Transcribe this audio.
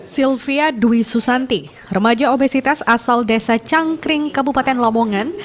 sylvia dwi susanti remaja obesitas asal desa cangkring kabupaten lamongan